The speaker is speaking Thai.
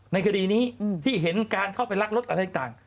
ในคดีนี้ที่เห็นการเข้าไปรักรถอะไรต่าง